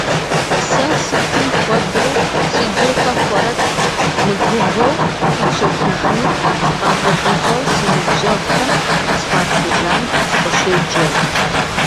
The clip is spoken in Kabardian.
Сэ сытым хуэдэу си гур хэхъуэрэт мыгувэу сащэхужыну сыкъагъэгугъэу си ныбжьэгъухэм къысхуатхыжам сыкъыщеджэм!